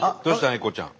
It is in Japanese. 英孝ちゃん。